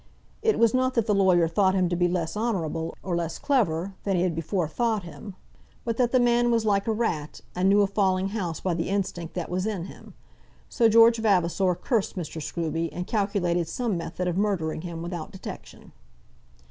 It was not that the lawyer thought him to be less honourable, or less clever, than he had before thought him; but that the man was like a rat, and knew a falling house by the instinct that was in him. So George Vavasor cursed Mr. Scruby, and calculated some method of murdering him without detection.